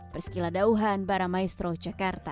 berskiladauhan para maestro jakarta